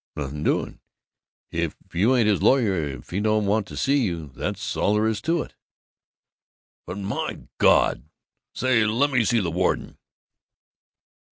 "Nothing doing. If you ain't his lawyer, if he don't want to see you, that's all there is to it." "But, my God Say, let me see the warden."